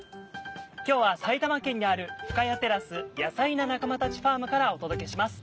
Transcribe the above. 今日は埼玉県にある深谷テラスヤサイな仲間たちファームからお届けします。